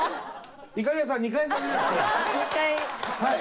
はい。